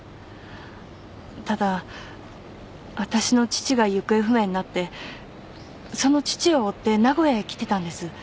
ただわたしの父が行方不明になってその父を追って名古屋へ来てたんです。